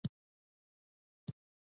دا زما پخوانی عادت دی.